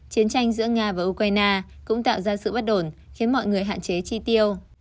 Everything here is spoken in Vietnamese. chiến tranh giữa nga và ukraine cũng tạo ra sự bất ổn khiến mọi người hạn chế chi tiêu